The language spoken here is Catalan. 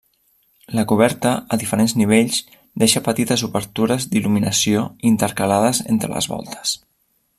La coberta, a diferents nivells, deixa petites obertures d'il·luminació intercalades entre les voltes.